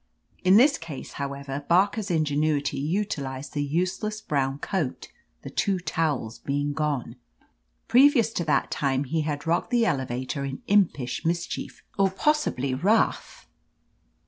In this case, however. Barker's ingenuity utilized the useless brown coat, the two towels being gone. Previous to that time, he had rocked the elevator in imp ish mischief, or possibly wrath.